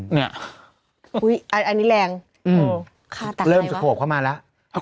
เนี่ยอุ้ยอันนี้แรงอืมค่าตัดอะไรวะเริ่มสะโขบเข้ามาแล้ว